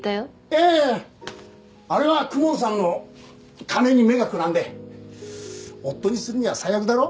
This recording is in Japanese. いやいやあれは公文さんの金に目がくらんで夫にするには最悪だろ？